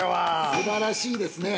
◆すばらしいですねえ。